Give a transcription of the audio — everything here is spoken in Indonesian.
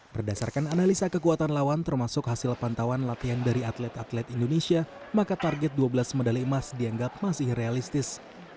berdasarkan analisa kekuatan lawan termasuk hasil pantauan latihan dari atlet atlet indonesia maka target dua belas medali emas dianggap masih realistis